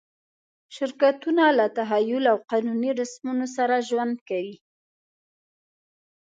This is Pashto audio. شرکتونه له تخیل او قانوني رسمونو سره ژوند کوي.